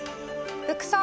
「服装」。